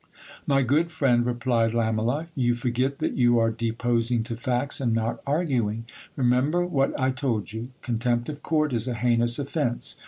My good friend, replied Lamela, you forget that you are deposing to facts, and not arguing. Remember what I told you ; contempt of court is a heinous offence.